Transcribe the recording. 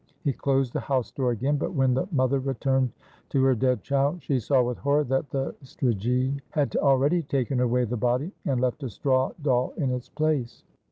He closed the house door again, but when the mother returned to her dead child, she saw with horror that the strigae had already taken away the body, and left a straw doll in its place.'"